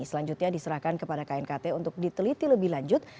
selanjutnya diserahkan kepada knkt untuk diteliti lebih lanjut